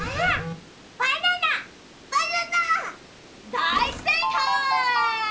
だいせいかい！